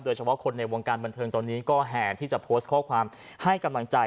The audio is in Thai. เฉพาะคนในวงการบันเทิงตอนนี้ก็แห่ที่จะโพสต์ข้อความให้กำลังใจ